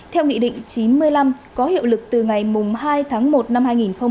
theo nghị định chín mươi năm có hiệu lực từ ngày hai tháng một năm hai nghìn hai mươi